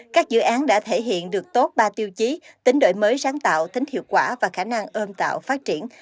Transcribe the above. các dự án đã thể hiện được tốt ba tiêu chí tính đổi mới sáng tạo tính hiệu quả và khả năng ôm tạo phát triển